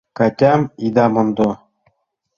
«Катям ида мондо...»